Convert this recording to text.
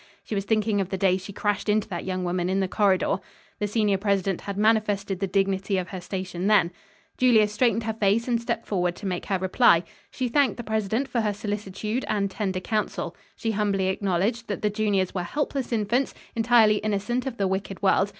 She was thinking of the day she crashed into that young woman, in the corridor. The senior president had manifested the dignity of her station then. Julia straightened her face and stepped forward to make her reply. She thanked the president for her solicitude and tender counsel. She humbly acknowledged that the juniors were helpless infants, entirely innocent of the wicked world.